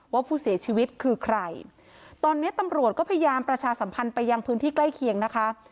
ว่าผู้เสียชีวิตคือใครตอนนี้ตำรวจก็พยายามประชาสัมพันธ์ไปยังพื้นที่ใกล้เคียงนะคะ